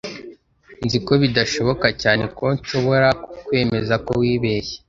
Nzi ko bidashoboka cyane ko nzashobora kukwemeza ko wibeshye.